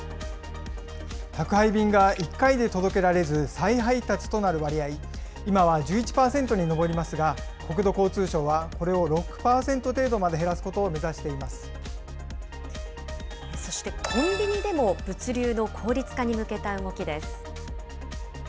宅配便が１回で届けられず、再配達となる割合、今は１１％に上りますが、国土交通省はこれを６％程度まで減らすことを目指しそしてコンビニでも、物流の効率化に向けた動きです。